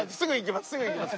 すぐ行きます。